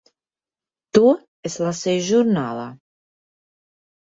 To es lasīju žurnālā.